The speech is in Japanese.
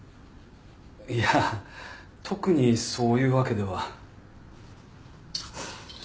いや特にそういうわけでは。